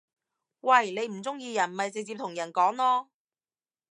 喂！你唔中意人咪直接同人講囉